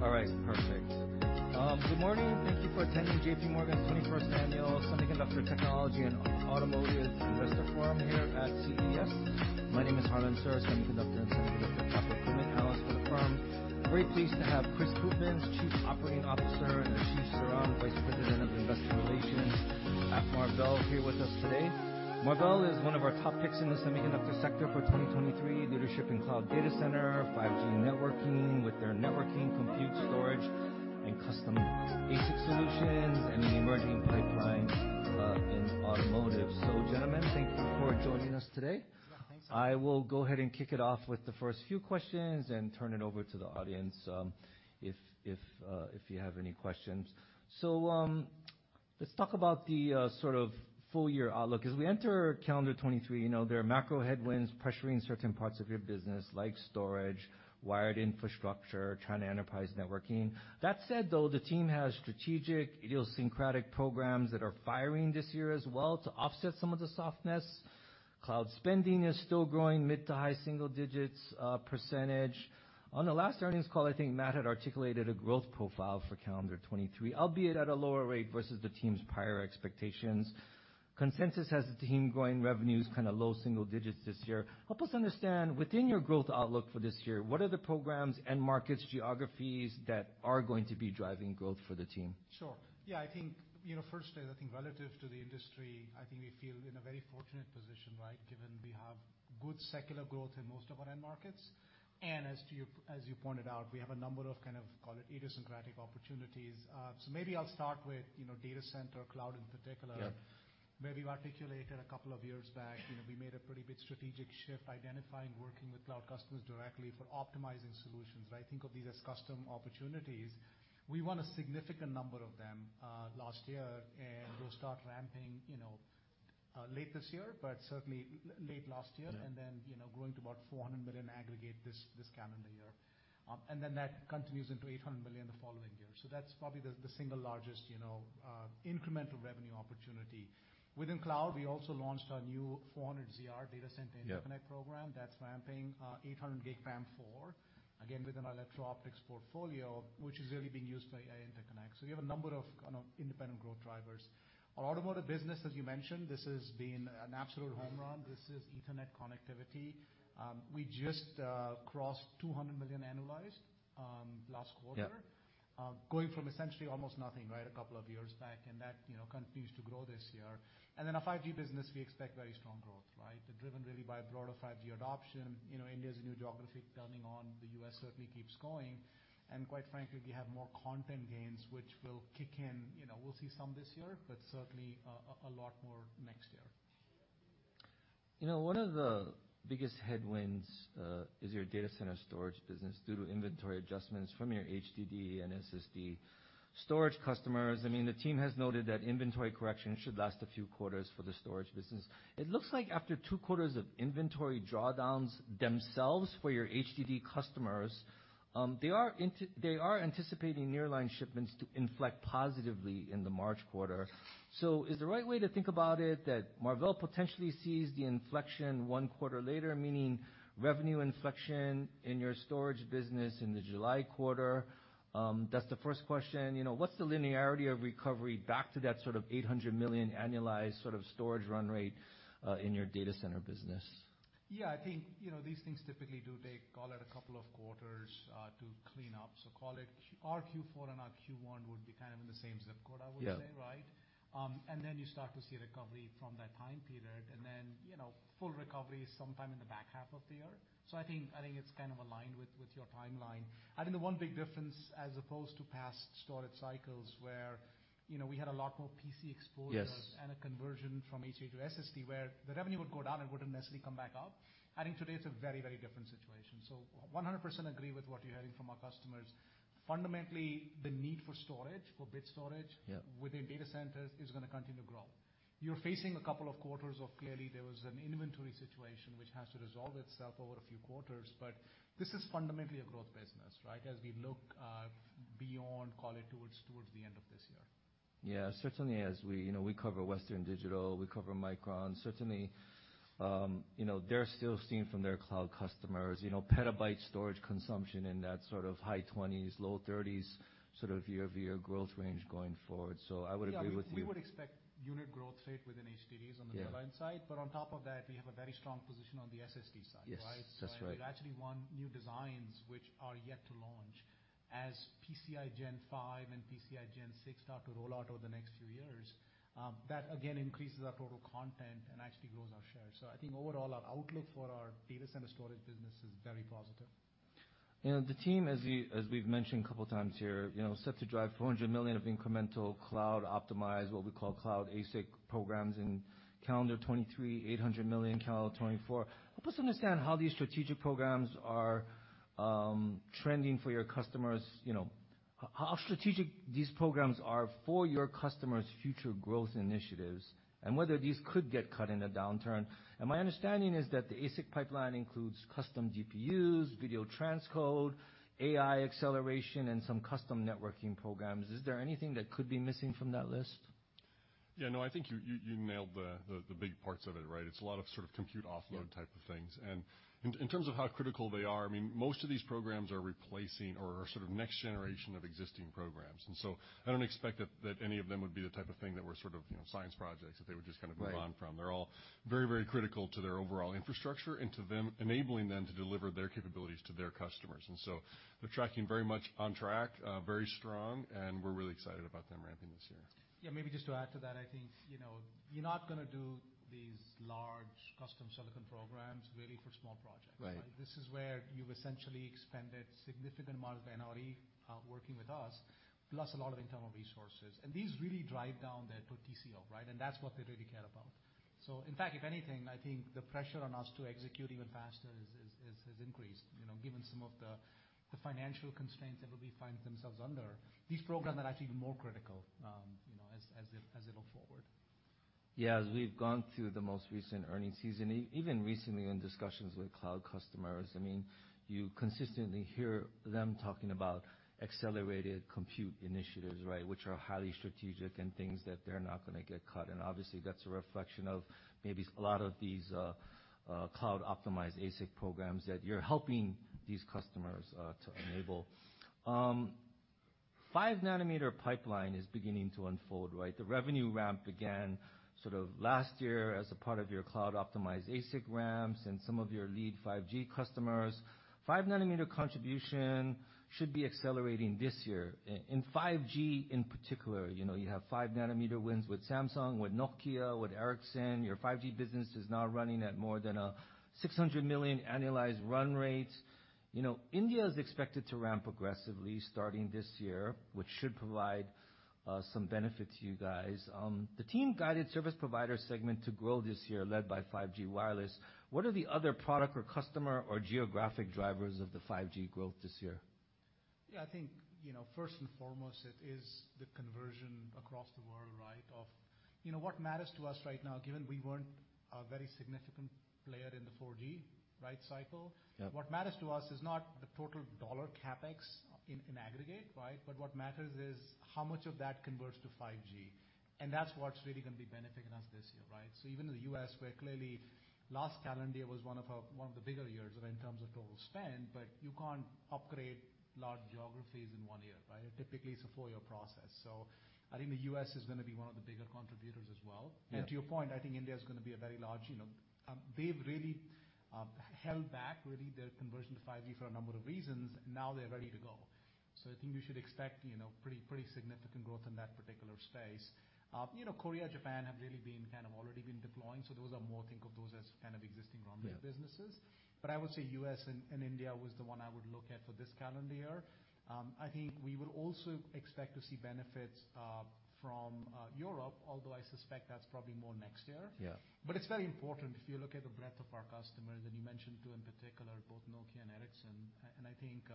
All right, perfect. Good morning. Thank you for attending J.P. Morgan's 21st Annual Semiconductor Technology and Automotive Investor Forum here at CES. My name is Harlan Sur, Semiconductor and Semiconductor Capital Markets Analyst with the firm. Very pleased to have Chris Koopmans, Chief Operating Officer, and Ashish Saran, Vice President of Investor Relations at Marvell here with us today. Marvell is one of our top picks in the semiconductor sector for 2023, leadership in cloud data center, 5G networking with their networking compute storage and custom ASIC solutions and an emerging pipeline in automotive. Gentlemen, thank you for joining us today. Yeah. Thanks. I will go ahead and kick it off with the first few questions and turn it over to the audience, if you have any questions. Let's talk about the sort of full year outlook. As we enter calendar 2023, you know, there are macro headwinds pressuring certain parts of your business like storage, wired infrastructure, China enterprise networking. That said, though, the team has strategic idiosyncratic programs that are firing this year as well to offset some of the softness. Cloud spending is still growing mid to high single digits percentage.20 On the last earnings call, I think Matt had articulated a growth profile for calendar 23, albeit at a lower rate versus the team's prior expectations. Consensus has the team growing revenues kinda low single digits this year. Help us understand within your growth outlook for this year, what are the programs and markets geographies that are going to be driving growth for the team? Sure. Yeah, I think, you know, firstly, I think relative to the industry, I think we feel in a very fortunate position, right? Given we have good secular growth in most of our end markets. As you pointed out, we have a number of kind of, call it, idiosyncratic opportunities. Maybe I'll start with, you know, data center cloud in particular. Yeah. Where we've articulated a couple of years back, you know, we made a pretty big strategic shift identifying, working with cloud customers directly for optimizing solutions. I think of these as custom opportunities. We won a significant number of them last year, and we'll start ramping, you know, late this year, but certainly late last year. Yeah. You know, growing to about $400 million aggregate this calendar year. That continues into $800 million the following year. That's probably the single largest, you know, incremental revenue opportunity. Within cloud, we also launched our new 400ZR data center. Yeah. interconnect program that's ramping, 800 Gig PAM4, again, with an Electro-Optics portfolio, which is really being used by AI interconnect. We have a number of, kind of independent growth drivers. Our automotive business, as you mentioned, this has been an absolute home run. This is Ethernet connectivity. We just crossed $200 million annualized last quarter. Yeah. Going from essentially almost nothing, right, a couple of years back, and that, you know, continues to grow this year. Then our 5G business, we expect very strong growth, right? Driven really by broader 5G adoption. You know, India's new geography turning on, the U.S. certainly keeps going. Quite frankly, we have more content gains, which will kick in. You know, we'll see some this year, but certainly a lot more next year. You know, one of the biggest headwinds, is your data center storage business due to inventory adjustments from your HDD and SSD storage customers. I mean, the team has noted that inventory correction should last a few quarters for the storage business. It looks like after two quarters of inventory drawdowns themselves for your HDD customers, they are anticipating nearline shipments to inflect positively in the March quarter. Is the right way to think about it that Marvell potentially sees the inflection one quarter later, meaning revenue inflection in your storage business in the July quarter? That's the first question. You know, what's the linearity of recovery back to that sort of $800 million annualized sort of storage run rate in your data center business? Yeah, I think, you know, these things typically do take, call it, a couple of quarters to clean up. Call it our Q4 and our Q1 would be kind of in the same zip code, I would say, right? Yeah. Then you start to see recovery from that time period and then, you know, full recovery sometime in the back half of the year. I think it's kind of aligned with your timeline. I think the one big difference as opposed to past storage cycles where, you know, we had a lot more PC exposure... Yes. -and a conversion from HDD to SSD, where the revenue would go down, it wouldn't necessarily come back up. I think today it's a very, very different situation. 100% agree with what you're hearing from our customers. Fundamentally, the need for storage, for bit storage. Yeah. Within data centers is gonna continue to grow. You're facing a couple of quarters of clearly there was an inventory situation which has to resolve itself over a few quarters, but this is fundamentally a growth business, right? As we look beyond call it towards the end of this year. Yeah. Certainly, as we, you know, we cover Western Digital, we cover Micron. Certainly, you know, they're still seeing from their cloud customers, you know, petabyte storage consumption in that sort of high 20s, low 30s, sort of year-over-year growth range going forward. I would agree with you. Yeah. I mean, we would expect unit growth rate within HDDs. Yeah. drive side. On top of that, we have a very strong position on the SSD side, right? Yes. That's right. We've actually won new designs which are yet to launch. As PCIe 5.0 and PCIe 6.0 start to roll out over the next few years, that again increases our total content and actually grows our share. I think overall, our outlook for our data center storage business is very positive. You know, the team, as we've mentioned a couple of times here, you know, set to drive $400 million of incremental cloud optimized, what we call cloud ASIC programs in calendar 2023, $800 million calendar 2024. Help us understand how these strategic programs are trending for your customers. You know, how strategic these programs are for your customers' future growth initiatives, whether these could get cut in a downturn. My understanding is that the ASIC pipeline includes custom GPUs, video transcode, AI acceleration, and some custom networking programs. Is there anything that could be missing from that list? No, I think you nailed the big parts of it, right? It's a lot of sort of compute offload type of things. In terms of how critical they are, I mean, most of these programs are replacing or are sort of next generation of existing programs. I don't expect that any of them would be the type of thing that were sort of, you know, science projects that they would just kind of move on from. Right. They're all very, very critical to their overall infrastructure and to them enabling them to deliver their capabilities to their customers. They're tracking very much on track, very strong, and we're really excited about them ramping this year. Maybe just to add to that, I think, you know, you're not gonna do these large custom silicon programs really for small projects, right? Right. This is where you've essentially expended significant amount of NRE, working with us, plus a lot of internal resources. These really drive down their total TCO, right? That's what they really care about. In fact, if anything, I think the pressure on us to execute even faster has increased, you know, given some of the financial constraints that will be find themselves under. These programs are actually even more critical, you know, as they look forward. Yeah. As we've gone through the most recent earnings season, even recently in discussions with cloud customers, I mean, you consistently hear them talking about accelerated compute initiatives, right? Which are highly strategic and things that they're not gonna get cut. Obviously, that's a reflection of maybe a lot of these cloud optimized ASIC programs that you're helping these customers to enable. 5 nm pipeline is beginning to unfold, right? The revenue ramp began sort of last year as a part of your cloud optimized ASIC ramps and some of your lead 5G customers. 5 nm contribution should be accelerating this year. In 5G in particular, you know, you have 5 nm wins with Samsung, with Nokia, with Ericsson. Your 5G business is now running at more than $600 million annualized run rates. You know, India is expected to ramp aggressively starting this year, which should provide some benefit to you guys. The team guided service provider segment to grow this year led by 5G wireless. What are the other product or customer or geographic drivers of the 5G growth this year? Yeah, I think, you know, first and foremost, it is the conversion across the world, right? Of, you know, what matters to us right now, given we weren't a very significant player in the 4G, right, cycle. Yeah. What matters to us is not the total dollar CapEx in aggregate, right? What matters is how much of that converts to 5G, and that's what's really gonna be benefiting us this year, right? Even in the U.S., where clearly last calendar year was one of the bigger years in terms of total spend, but you can't upgrade large geographies in one year, right? Typically, it's a four-year process. I think the U.S. is gonna be one of the bigger contributors as well. Yeah. To your point, I think India is gonna be a very large, you know, they've really held back really their conversion to 5G for a number of reasons, now they're ready to go. I think we should expect, you know, pretty significant growth in that particular space. you know, Korea, Japan have really been kind of already been deploying, so those are more think of those as kind of existing run rate businesses. Yeah. I would say U.S. and India was the one I would look at for this calendar year. I think we will also expect to see benefits from Europe, although I suspect that's probably more next year. Yeah. It's very important if you look at the breadth of our customers, and you mentioned two in particular, both Nokia and Ericsson. And I think,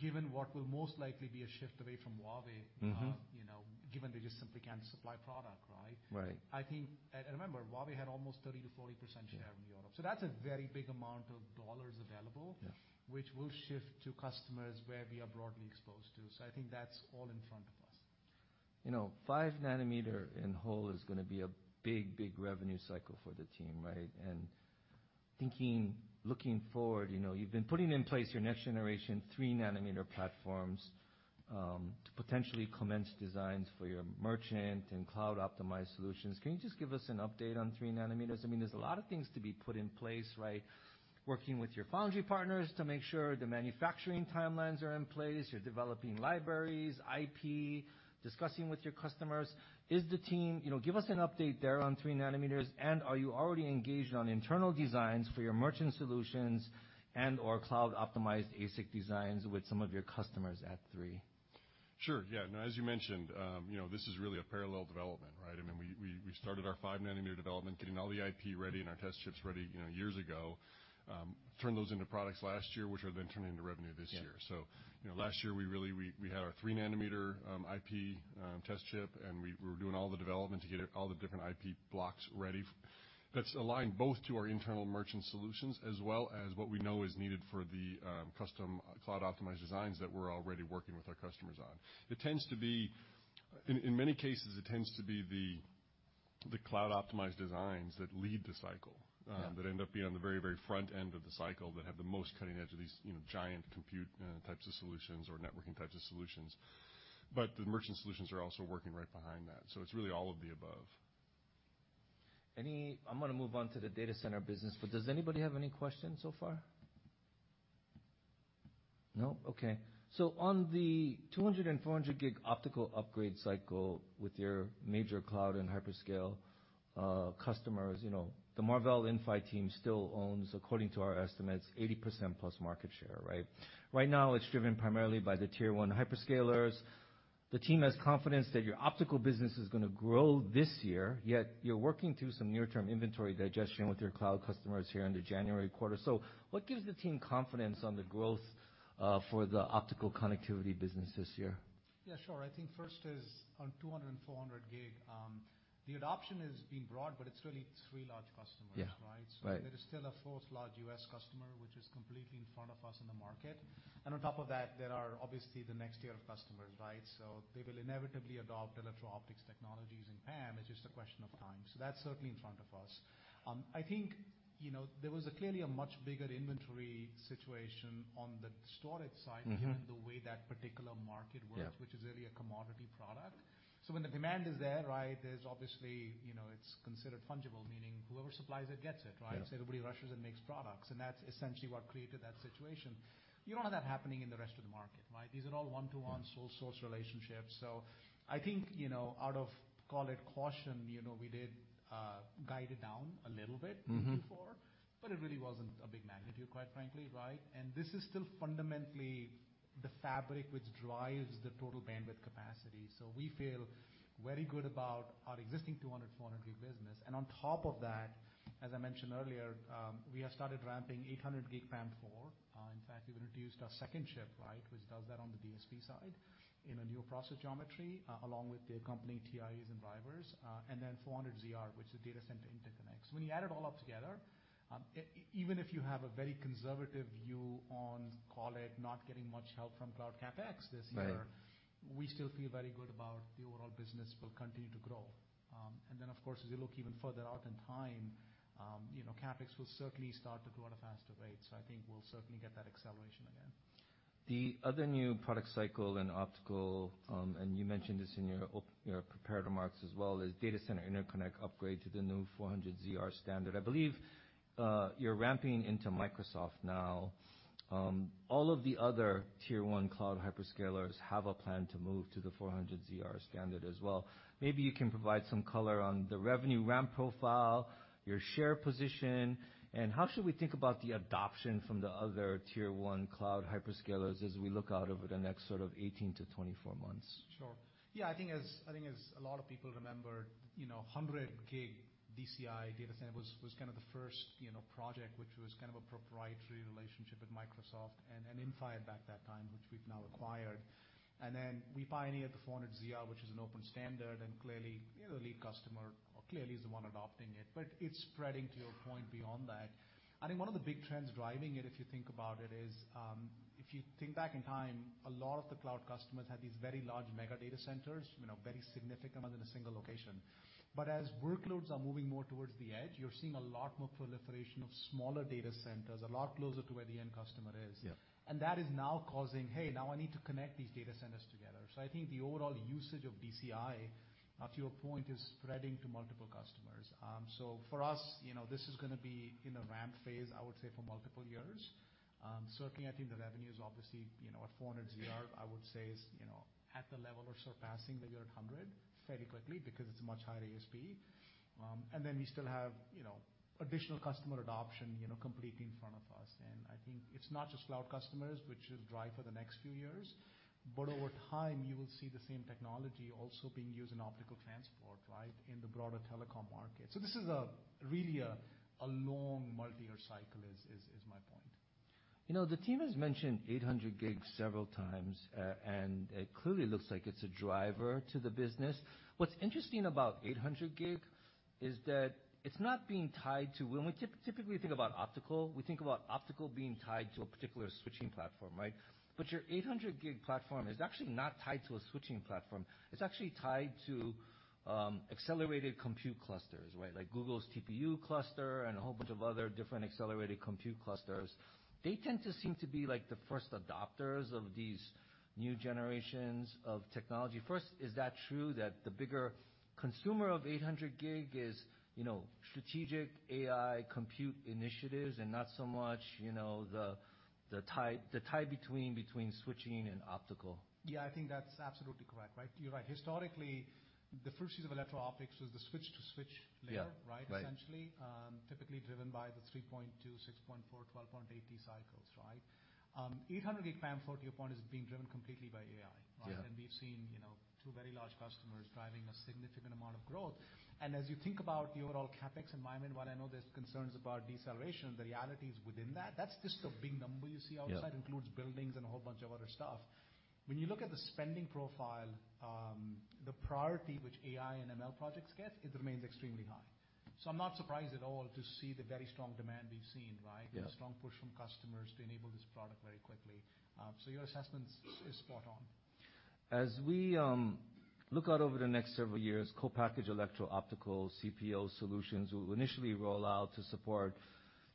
given what will most likely be a shift away from Huawei- Mm-hmm. You know, given they just simply can't supply product, right? Right. I think. Remember, Huawei had almost 30% to 40% share in Europe. Yeah. That's a very big amount of dollars available. Yeah. which will shift to customers where we are broadly exposed to. I think that's all in front of us. You know, 5 nm in whole is gonna be a big, big revenue cycle for the team, right? Thinking, looking forward, you know, you've been putting in place your next generation 3 nm platforms to potentially commence designs for your merchant and cloud optimized solutions. Can you just give us an update on 3 nm? I mean, there's a lot of things to be put in place, right? Working with your foundry partners to make sure the manufacturing timelines are in place. You're developing libraries, IP, discussing with your customers. You know, give us an update there on 3 nm, and are you already engaged on internal designs for your merchant solutions and/or cloud optimized ASIC designs with some of your customers at 3 nm? Sure, yeah. As you mentioned, you know, this is really a parallel development, right? I mean, we started our 5 nm development, getting all the IP ready and our test chips ready, you know, years ago. Turned those into products last year, which are then turning into revenue this year. Yeah. You know, last year we had our 3 nm IP test chip, and we were doing all the development to get all the different IP blocks ready. That's aligned both to our internal merchant solutions as well as what we know is needed for the custom cloud optimized designs that we're already working with our customers on. In many cases, it tends to be the cloud optimized designs that lead the cycle. Yeah. that end up being on the very, very front end of the cycle that have the most cutting edge of these, you know, giant compute types of solutions or networking types of solutions. The merchant solutions are also working right behind that, so it's really all of the above. I'm gonna move on to the data center business, but does anybody have any questions so far? No? Okay. On the 200 and 400 gig optical upgrade cycle with your major cloud and hyperscale customers, you know, the Marvell Inphi team still owns, according to our estimates, 80% plus market share, right? Right now, it's driven primarily by the tier one hyperscalers. The team has confidence that your optical business is gonna grow this year, yet you're working through some near term inventory digestion with your cloud customers here in the January quarter. What gives the team confidence on the growth for the optical connectivity business this year? Yeah, sure. I think first is on 200 and 400 gig, the adoption is being broad, but it's really three large customers... Yeah. Right? Right. There is still a fourth large U.S. customer, which is completely in front of us in the market. On top of that, there are obviously the next tier of customers, right? They will inevitably adopt Electro-Optics technologies in PAM4, it's just a question of time. That's certainly in front of us. I think, you know, there was clearly a much bigger inventory situation on the storage. Mm-hmm. Given the way that particular market works. Yeah. Which is really a commodity product. When the demand is there, right, there's obviously, you know, it's considered fungible, meaning whoever supplies it gets it, right? Yeah. Everybody rushes and makes products, and that's essentially what created that situation. You don't have that happening in the rest of the market, right? These are all one-to-one sole source relationships. I think, you know, out of, call it caution, you know, we did guide it down a little bit before. Mm-hmm. It really wasn't a big magnitude, quite frankly, right? This is still fundamentally the fabric which drives the total bandwidth capacity. We feel very good about our existing 200, 400 gig business. On top of that, as I mentioned earlier, we have started ramping 800 gig PAM4. In fact, we've introduced our second chip, right, which does that on the DSP side in a new process geometry, along with the accompanying TIAs and drivers. Then 400ZR, which is data center interconnects. When you add it all up together, even if you have a very conservative view on, call it, not getting much help from cloud CapEx this year- Right. We still feel very good about the overall business will continue to grow. Then of course, as you look even further out in time, you know, CapEx will certainly start to grow at a faster rate. I think we'll certainly get that acceleration again. The other new product cycle and optical, and you mentioned this in your prepared remarks as well, is data center interconnect upgrade to the new 400ZR standard. I believe you're ramping into Microsoft now. All of the other tier one cloud hyperscalers have a plan to move to the 400ZR standard as well. Maybe you can provide some color on the revenue ramp profile, your share position, and how should we think about the adoption from the other tier one cloud hyperscalers as we look out over the next sort of 18 to 24 months? Sure. Yeah, I think as a lot of people remember, you know, 100G DCI data center was kind of the first, you know, project, which was kind of a proprietary relationship with Microsoft and Inphi back that time, which we've now acquired. Then we pioneered the 400ZR, which is an open standard, clearly, you know, the lead customer clearly is the one adopting it. It's spreading, to your point, beyond that. I think one of the big trends driving it, if you think about it, is, if you think back in time, a lot of the cloud customers had these very large mega data centers, you know, very significant within a single location. As workloads are moving more towards the edge, you're seeing a lot more proliferation of smaller data centers, a lot closer to where the end customer is. Yeah. That is now causing, hey, now I need to connect these data centers together. I think the overall usage of DCI, to your point, is spreading to multiple customers. For us, you know, this is gonna be in a ramp phase, I would say for multiple years. Certainly, I think the revenue is obviously, you know, at 400ZR, I would say is, you know, at the level or surpassing the year at 100 fairly quickly because it's a much higher ASP. Then we still have, you know, additional customer adoption, you know, completely in front of us. I think it's not just cloud customers which will drive for the next few years, but over time, you will see the same technology also being used in optical transport, right, in the broader telecom market. This is a, really a long multi-year cycle is my point. You know, the team has mentioned 800G several times, and it clearly looks like it's a driver to the business. What's interesting about 800G is that it's not being tied to... When we typically think about optical, we think about optical being tied to a particular switching platform, right? Your 800G platform is actually not tied to a switching platform, it's actually tied to accelerated compute clusters, right? Like Google's TPU cluster and a whole bunch of other different accelerated compute clusters. They tend to seem to be like the first adopters of these new generations of technology. First, is that true that the bigger consumer of 800G is, you know, strategic AI compute initiatives and not so much, you know, the tie between switching and optical? Yeah, I think that's absolutely correct, right. You're right. Historically, the first use of Electro-Optics was the switch to switch layer- Yeah. Right? Right. Essentially, typically driven by the 3.2, 6.4, 12.8 cycles, right? 800G PAM4, to your point, is being driven completely by AI. Yeah. We've seen, you know, two very large customers driving a significant amount of growth. As you think about the overall CapEx environment, while I know there's concerns about deceleration, the reality is within that's just the big number you see outside... Yeah. Includes buildings and a whole bunch of other stuff. When you look at the spending profile, the priority which AI and ML projects get, it remains extremely high. I'm not surprised at all to see the very strong demand we've seen, right? Yeah. The strong push from customers to enable this product very quickly. Your assessment is spot on. As we look out over the next several years, Co-Packaged Optics CPO solutions will initially roll out to support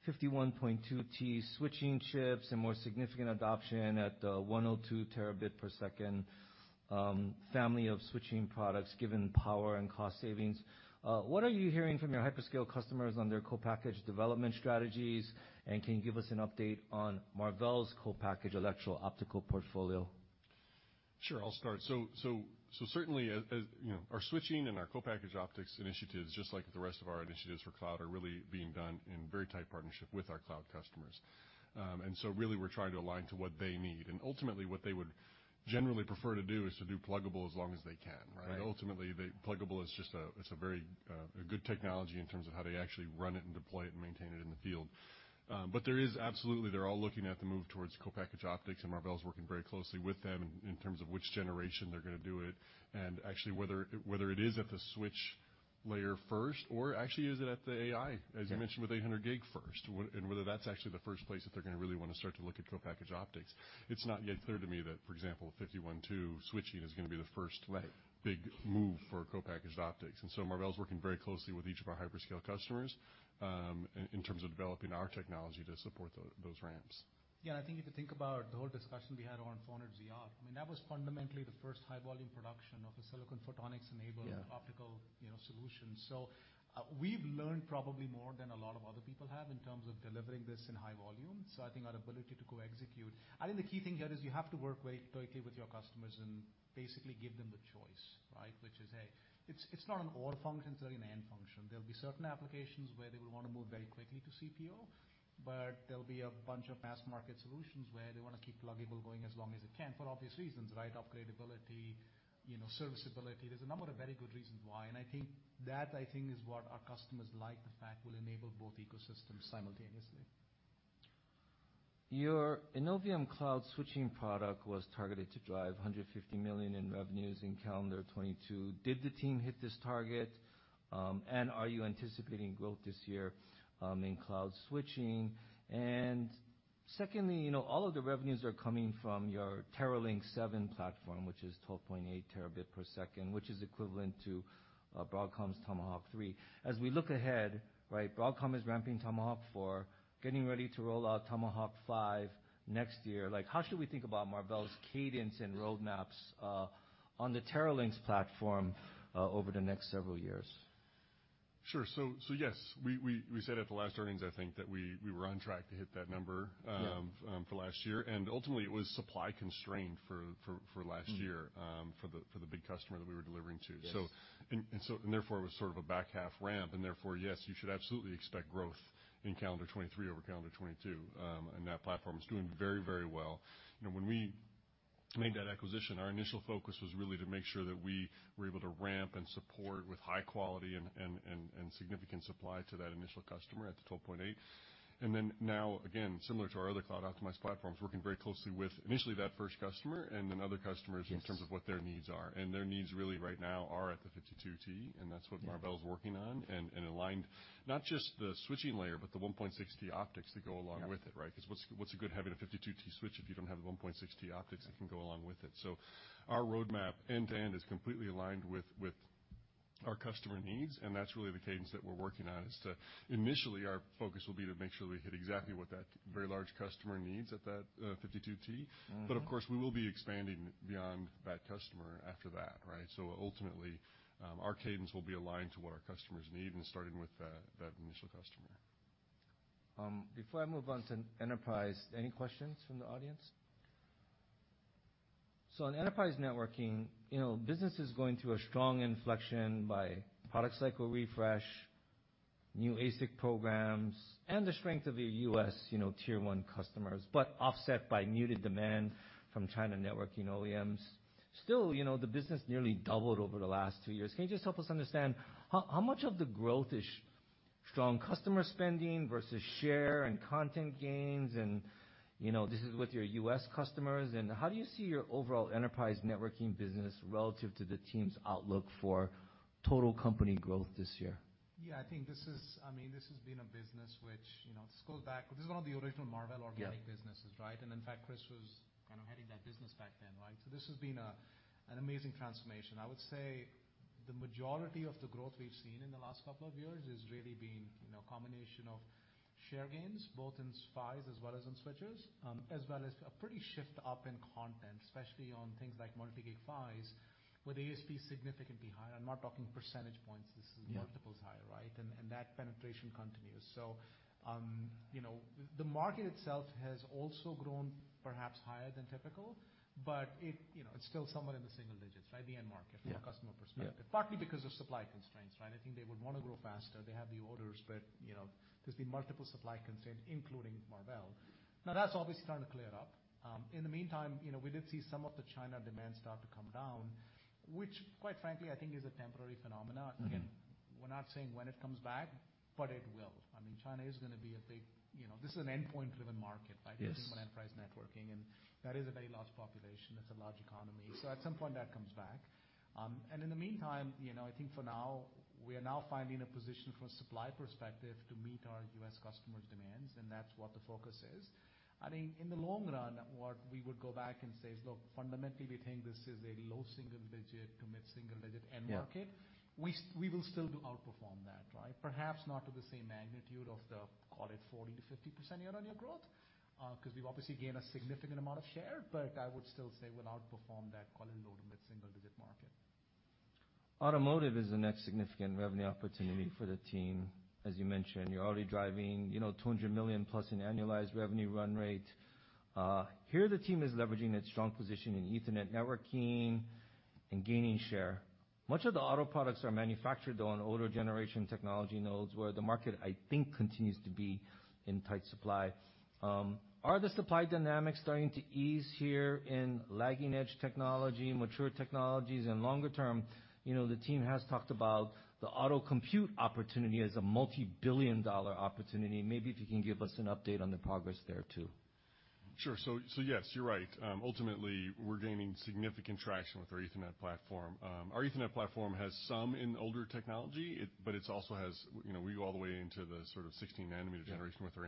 51.2T switching chips and more significant adoption at 102 terabit per second family of switching products given power and cost savings. What are you hearing from your hyperscale customers on their Co-Packaged Optics development strategies, and can you give us an update on Marvell's Co-Packaged Optics portfolio? Sure, I'll start. Certainly as you know, our switching and our Co-Packaged Optics initiatives, just like the rest of our initiatives for cloud, are really being done in very tight partnership with our cloud customers. Really we're trying to align to what they need. Ultimately what they would generally prefer to do is to do pluggable as long as they can, right? Right. Ultimately, the pluggable is just a, it's a very good technology in terms of how they actually run it and deploy it and maintain it in the field. There is absolutely, they're all looking at the move towards Co-Packaged Optics, and Marvell is working very closely with them in terms of which generation they're gonna do it, and actually whether it is at the switch layer first or actually is it at the AI, as you mentioned, with 800G first? Whether that's actually the first place that they're gonna really wanna start to look at Co-Packaged Optics. It's not yet clear to me that, for example, 51.2T switching is gonna be the first big move for Co-Packaged Optics. Marvell's working very closely with each of our hyperscale customers, in terms of developing our technology to support those ramps. Yeah. I think if you think about the whole discussion we had on 400ZR, I mean, that was fundamentally the first high volume production of a Silicon Photonics. Yeah... optical, you know, solution. We've learned probably more than a lot of other people have in terms of delivering this in high volume, so I think our ability to co-execute. I think the key thing here is you have to work very tightly with your customers and basically give them the choice, right? Which is, A, it's not an all functions or an end function. There'll be certain applications where they will wanna move very quickly to CPO. There'll be a bunch of mass market solutions where they wanna keep pluggable going as long as it can for obvious reasons, right? Upgradeability, you know, serviceability. There's a number of very good reasons why, I think that is what our customers like, the fact we'll enable both ecosystems simultaneously. Your Innovium cloud switching product was targeted to drive $150 million in revenues in calendar 2022. Did the team hit this target? Are you anticipating growth this year in cloud switching? Secondly, you know, all of the revenues are coming from your Teralynx 7 platform, which is 12.8 terabits per second, which is equivalent to Broadcom's Tomahawk 3. As we look ahead, right, Broadcom is ramping Tomahawk 4, getting ready to roll out Tomahawk 5 next year. How should we think about Marvell's cadence and roadmaps on the Teralynx platform over the next several years? Sure. Yes, we said at the last earnings, I think, that we were on track to hit that number. Yeah.... for last year. Ultimately it was supply constrained for last year. Mm-hmm. for the big customer that we were delivering to. Yes. Therefore it was sort of a back half ramp, and therefore, yes, you should absolutely expect growth in calendar 2023 over calendar 2022. That platform is doing very, very well. You know, when we made that acquisition, our initial focus was really to make sure that we were able to ramp and support with high quality and significant supply to that initial customer at the 12.8. Now again, similar to our other cloud optimized platforms, working very closely with initially that first customer and then other customers. Yes in terms of what their needs are. Their needs really right now are at the 52T, and that's what Marvell is working on. Aligned, not just the switching layer, but the 1.6T optics that go along with it, right? 'Cause what's a good having a 52T switch if you don't have the 1.6T optics that can go along with it? Our roadmap end-to-end is completely aligned with our customer needs, and that's really the cadence that we're working on is to initially our focus will be to make sure we hit exactly what that very large customer needs at that 52T. Mm-hmm. Of course we will be expanding beyond that customer after that, right? Ultimately, our cadence will be aligned to what our customers need and starting with that initial customer. Before I move on to enterprise, any questions from the audience? On enterprise networking, you know, business is going through a strong inflection by product cycle refresh, new ASIC programs, and the strength of your U.S., you know, tier 1 customers, but offset by muted demand from China networking OEMs. Still, you know, the business nearly doubled over the last two years. Can you just help us understand how much of the growth is strong customer spending versus share and content gains and, you know, this is with your U.S. customers. How do you see your overall enterprise networking business relative to the team's outlook for total company growth this year? Yeah. I mean, this has been a business which, you know, This is one of the original Marvell organic businesses, right? Yeah. In fact, Chris was kind of heading that business back then, right? This has been a, an amazing transformation. I would say the majority of the growth we've seen in the last couple of years has really been, you know, a combination of share gains, both in PHYs as well as in switches, as well as a pretty shift up in content, especially on things like multi-gig PHYs, with ASP significantly higher. I'm not talking percentage points. Yeah. This is multiples higher, right? That penetration continues. You know, the market itself has also grown perhaps higher than typical, but it, you know, it's still somewhere in the single digits, right? The end market. Yeah. from a customer perspective. Yeah. Partly because of supply constraints, right? I think they would wanna grow faster. They have the orders, but, you know, there's been multiple supply constraints, including Marvell. That's obviously starting to clear up. In the meantime, you know, we did see some of the China demand start to come down, which quite frankly, I think is a temporary phenomena. Mm-hmm. Again, we're not saying when it comes back, but it will. I mean, China is going to be a big. You know, this is an endpoint-driven market, right? Yes. We're talking about enterprise networking, and that is a very large population. It's a large economy. At some point, that comes back. In the meantime, you know, I think for now, we are now finding a position from a supply perspective to meet our U.S. customers' demands, and that's what the focus is. In the long run, what we would go back and say is, look, fundamentally, we think this is a low single digit to mid-single digit end market. Yeah. We will still do outperform that, right? Perhaps not to the same magnitude of the, call it 40%-50% year-over-year growth, 'cause we've obviously gained a significant amount of share. I would still say we'll outperform that call it low to mid-single-digit market. Automotive is the next significant revenue opportunity for the team. As you mentioned, you're already driving, you know, $200 million plus in annualized revenue run rate. Here the team is leveraging its strong position in Ethernet networking and gaining share. Much of the auto products are manufactured on older generation technology nodes, where the market, I think, continues to be in tight supply. Are the supply dynamics starting to ease here in lagging edge technology, mature technologies? Longer term, you know, the team has talked about the auto compute opportunity as a multi-billion dollar opportunity. Maybe if you can give us an update on the progress there too. Sure. Yes, you're right. Ultimately, we're gaining significant traction with our Ethernet platform. Our Ethernet platform has some in older technology, but it also has, you know, we go all the way into the sort of 16 nm generation with our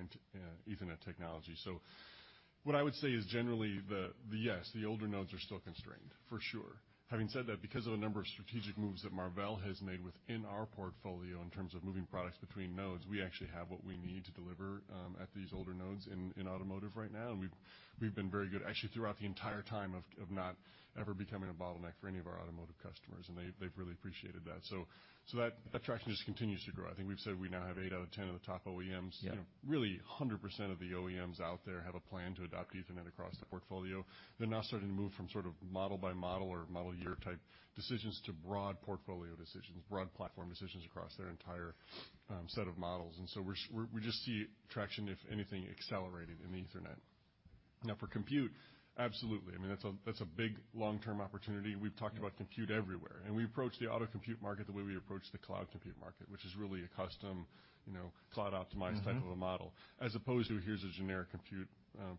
Ethernet technology. What I would say is generally yes, the older nodes are still constrained, for sure. Having said that, because of a number of strategic moves that Marvell has made within our portfolio in terms of moving products between nodes, we actually have what we need to deliver at these older nodes in automotive right now. We've been very good actually throughout the entire time of not ever becoming a bottleneck for any of our automotive customers, and they've really appreciated that. That traction just continues to grow. I think we've said we now have eight out of 10 of the top OEMs. Yeah. You know, really 100% of the OEMs out there have a plan to adopt Ethernet across the portfolio. They're now starting to move from sort of model-by-model or model-year type decisions to broad portfolio decisions, broad platform decisions across their entire set of models. We just see traction, if anything, accelerating in Ethernet. Now for compute, absolutely. I mean, that's a big long-term opportunity. We've talked about compute everywhere, and we approach the auto compute market the way we approach the cloud compute market, which is really a custom, you know, cloud optimized type of a model as opposed to here's a generic compute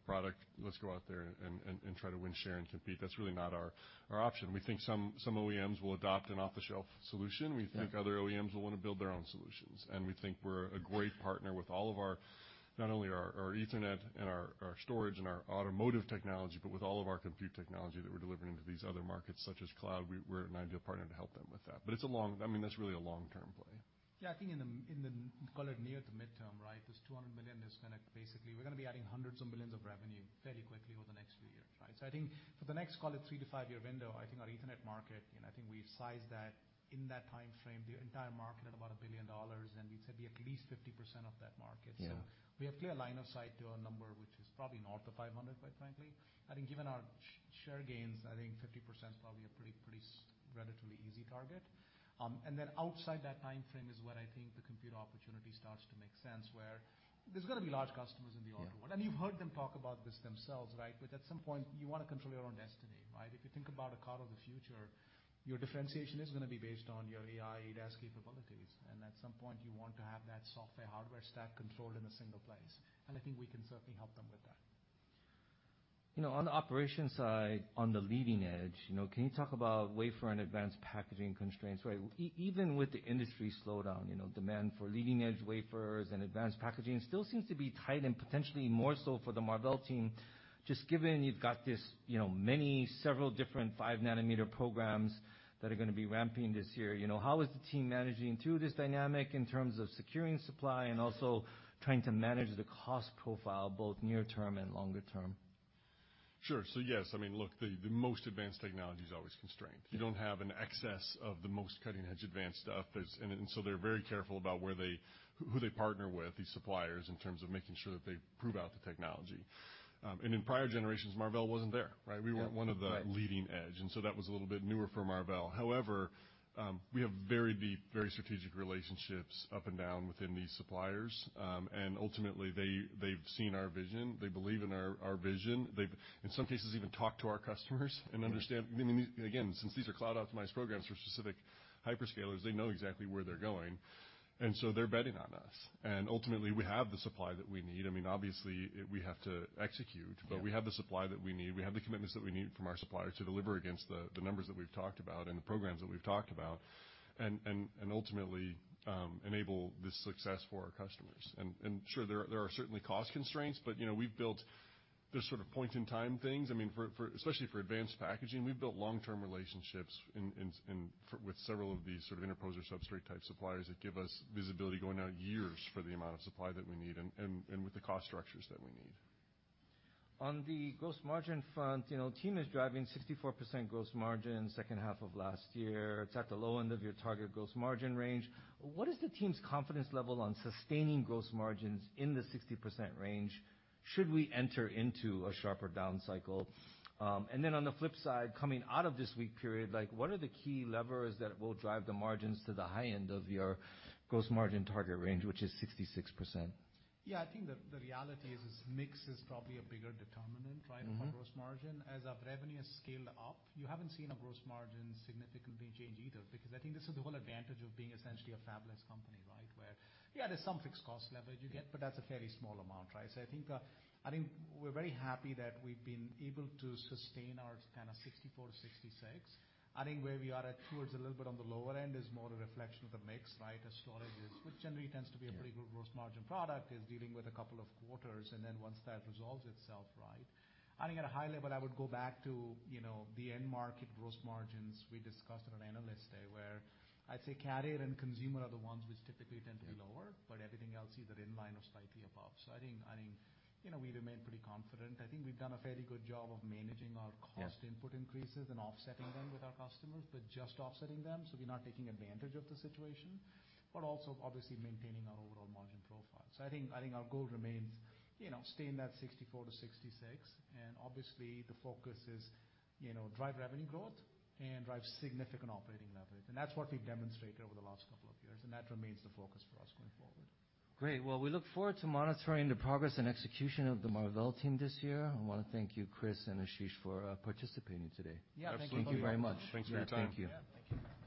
product, let's go out there and try to win, share, and compete. That's really not our option. We think some OEMs will adopt an off-the-shelf solution. Yeah. We think other OEMs will wanna build their own solutions. We think we're a great partner with all of our, not only our Ethernet and our storage and our automotive technology, but with all of our compute technology that we're delivering to these other markets such as cloud, we're an ideal partner to help them with that. It's a long, I mean, that's really a long-term play. I think in the call it near to midterm, right, we're going to be adding $hundreds of billions of revenue very quickly over the next few years, right? I think for the next, call it three to five year window, I think our Ethernet market, you know, I think we've sized that in that timeframe, the entire market at about $1 billion, and we said be at least 50% of that market. Yeah. We have clear line of sight to a number which is probably north of 500, quite frankly. I think given our share gains, I think 50%'s probably a pretty relatively easy target. Outside that timeframe is where I think the compute opportunity starts to make sense, where there's gonna be large customers in the auto world. Yeah. You've heard them talk about this themselves, right? At some point, you wanna control your own destiny, right? If you think about a car of the future, your differentiation is gonna be based on your AI ADAS capabilities, and at some point, you want to have that software hardware stack controlled in a single place, and I think we can certainly help them with that. You know, on the operations side, on the leading edge, you know, can you talk about wafer and advanced packaging constraints, right? Even with the industry slowdown, you know, demand for leading edge wafers and advanced packaging still seems to be tight and potentially more so for the Marvell team, just given you've got this, you know, several different 5 nm programs that are gonna be ramping this year. You know, how is the team managing through this dynamic in terms of securing supply and also trying to manage the cost profile both near term and longer term? Sure. Yes, I mean, look, the most advanced technology is always constrained. You don't have an excess of the most cutting edge advanced stuff. They're very careful about where they, who they partner with, these suppliers, in terms of making sure that they prove out the technology. In prior generations, Marvell wasn't there, right? Yeah, right. We weren't one of the leading edge, and so that was a little bit newer for Marvell. However, we have very deep, very strategic relationships up and down within these suppliers. Ultimately they've seen our vision. They believe in our vision. They've in some cases even talked to our customers and understand... I mean, again, since these are cloud optimized programs for specific hyperscalers, they know exactly where they're going, and so they're betting on us. Ultimately, we have the supply that we need. I mean, obviously we have to execute. Yeah. We have the supply that we need. We have the commitments that we need from our suppliers to deliver against the numbers that we've talked about and the programs that we've talked about and ultimately, enable this success for our customers. Sure, there are certainly cost constraints, but, you know, we've built this sort of point in time things. I mean, especially for advanced packaging, we've built long-term relationships with several of these sort of interposer substrate type suppliers that give us visibility going out years for the amount of supply that we need and with the cost structures that we need. On the gross margin front, you know, team is driving 64% gross margin second half of last year. It's at the low end of your target gross margin range. What is the team's confidence level on sustaining gross margins in the 60% range should we enter into a sharper down cycle? On the flip side, coming out of this weak period, like what are the key levers that will drive the margins to the high end of your gross margin target range, which is 66%? Yeah. I think the reality is, mix is probably a bigger determinant, right? Mm-hmm. Of our gross margin. As our revenue has scaled up, you haven't seen our gross margin significantly change either because I think this is the whole advantage of being essentially a fabless company, right? Where, yeah, there's some fixed cost leverage you get, but that's a fairly small amount, right? I think we're very happy that we've been able to sustain our kind of 64%-66%. I think where we are at towards a little bit on the lower end is more a reflection of the mix, right? As storage is, which generally tends to be a pretty good gross margin product, is dealing with a couple of quarters and then once that resolves itself right. I think at a high level, I would go back to, you know, the end market gross margins we discussed on our Investor Day, where I'd say carrier and consumer are the ones which typically tend to be lower, but everything else either in line or slightly above. I think, you know, we remain pretty confident. I think we've done a fairly good job of managing our cost input increases and offsetting them with our customers, but just offsetting them so we're not taking advantage of the situation, but also obviously maintaining our overall margin profile. I think our goal remains, you know, stay in that 64%-66%, and obviously the focus is, you know, drive revenue growth and drive significant operating leverage. That's what we've demonstrated over the last couple of years, and that remains the focus for us going forward. Great. Well, we look forward to monitoring the progress and execution of the Marvell team this year. I wanna thank you, Chris and Ashish, for participating today. Yeah. Thank you very much. Absolutely. Thanks for your time. Yeah. Thank you.